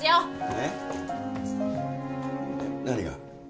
えっ何が？